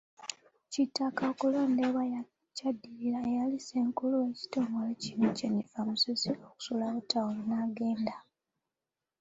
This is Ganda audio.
Kitaka okulondebwa kyaddiirira eyali Ssenkulu w'ekitongole kino, Jennifer Musisi okusuulawo ttawulo n'agenda.